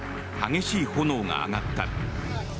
激しい炎が上がった。